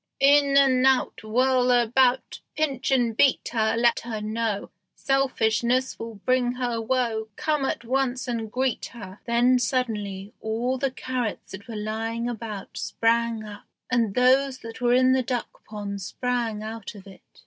"In and out Whirl about; Pinch and beat her; Let her know Selfishness will bring her woe; Come at once and greet her." Then suddenly all the carrots that were lying about sprang up, and those that were in the duck pond sprang out of it.